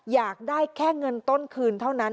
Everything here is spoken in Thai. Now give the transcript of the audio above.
อยากได้แค่เงินต้นคืนเท่านั้น